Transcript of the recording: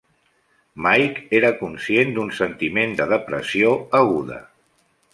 Mike era conscient d'un sentiment de depressió aguda.